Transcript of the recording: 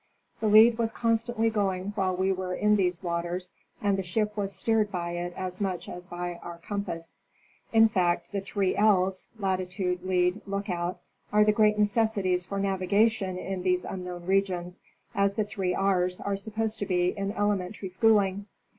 The lead was constantly going while we were in these waters, and the ship was steered by it as much as by our compass. In fact the three L's (latitude, lead, lookout) are the great necessities for navi gation in these unknown regions, as the three R's are supposed to be in elementary schooling.